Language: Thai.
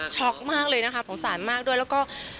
มากเลยนะคะสงสารมากด้วยแล้วก็